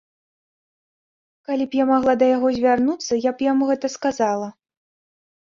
Калі б я магла да яго звярнуцца, я б яму гэта сказала.